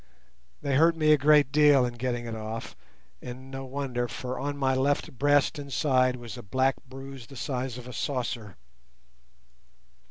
They hurt me a great deal in getting it off, and no wonder, for on my left breast and side was a black bruise the size of a saucer.